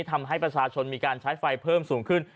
ทำให้ประชาชนมีการใช้ไฟเพิ่มสูงขึ้น